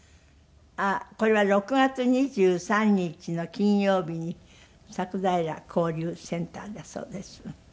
これは６月２３日の金曜日に佐久平交流センターだそうです。